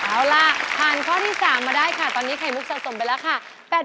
เอาล่ะผ่านข้อที่๓มาได้ค่ะตอนนี้ไข่มุกสะสมไปแล้วค่ะ